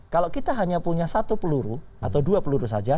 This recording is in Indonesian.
kalau kita hanya punya satu peluru atau dua peluru saja